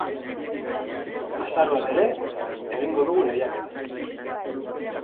Azaroan ere egingo dugu lehiaketa.